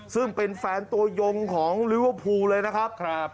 ซึ่งเป็นแฟนตัวยงของลิเวอร์พูลเลยนะครับ